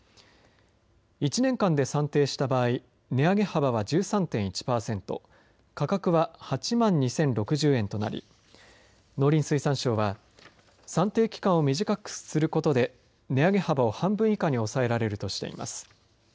１年間で算定した場合値上げ幅は１３．１パーセント価格は８万２０６０円となり農林水産省は算定期間を短くすることで値上げ幅を半分以下に抑えられるとしています。